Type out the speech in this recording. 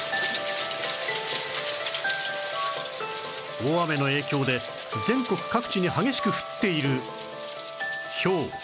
大雨の影響で全国各地に激しく降っているひょう